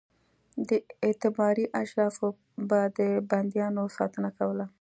اعتباري اشرافو به د بندیانو ساتنه کوله.